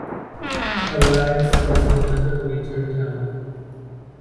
Alliance is another major town.